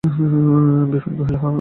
বিপিন কহিল, হাঁ।